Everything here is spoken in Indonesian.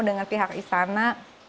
dengan pihak istana